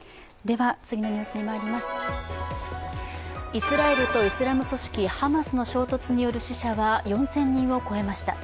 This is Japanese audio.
イスラエルとイスラム組織ハマス衝突による死者は、４０００人を超えました。